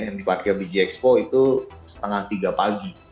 yang di parkir biji ekspo itu setengah tiga pagi